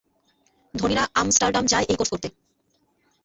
ধনীরা আমস্টারডাম যায় এই কোর্স করতে।